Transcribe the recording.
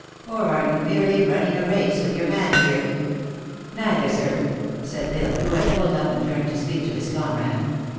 Or are you merely running a race with your man here?" "Neither, sir," said L Isle, who had pulled up and turned to speak to his comrade.